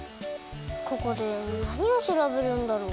ここでなにをしらべるんだろう？